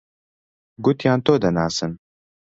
گوتیان تۆ دەناسن.